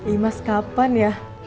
ih mas kapan ya